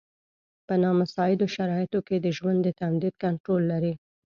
په نامساعدو شرایطو کې د ژوند د تمدید کنټرول لري.